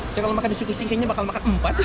saya kalau makan nasi kucing kayaknya bakal makan empat